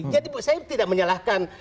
jadi saya tidak menyalahkan